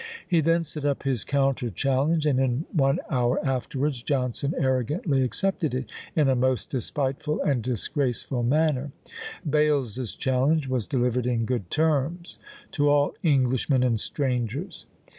He then set up his counter challenge, and in one hour afterwards Johnson arrogantly accepted it, "in a most despiteful and disgraceful manner." Bales's challenge was delivered "in good terms." "To all Englishmen and strangers."